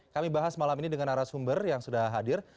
kami bahas malam ini dengan arah sumber yang sudah hadir